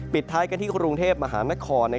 ท้ายกันที่กรุงเทพมหานคร